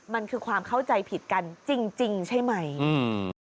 มันคือความเข้าใจผิดกันจริงจริงใช่ไหมอืม